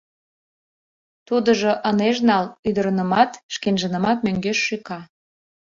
Тудыжо ынеж нал, ӱдырынымат, шкенжынымат мӧҥгеш шӱка.